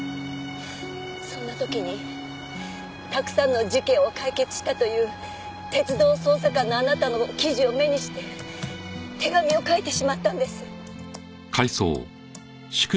そんな時にたくさんの事件を解決したという鉄道捜査官のあなたの記事を目にして手紙を書いてしまったんです。